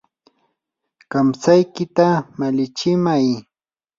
kamtsaykita malichimay.